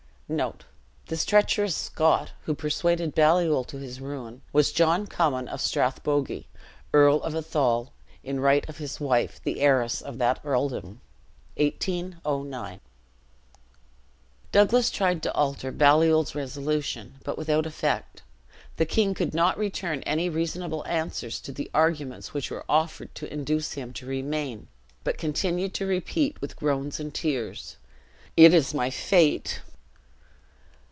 This treacherous Scot, who persuaded Baliol to his ruin, was John Cummin of Strathbogie, Earl of Athol in right of his wife, the heiress of that earldom. (1809.) "Douglas tried to alter Baliol's resolution, but without effect. The king could not return any reasonable answers to the arguments which were offered to induce him to remain, but continued to repeat, with groans and tears. 'It is my fate.'